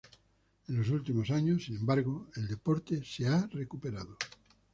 En los últimos años, sin embargo, el deporte se ha recuperado.